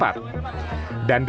dan ketika penembakan terjadi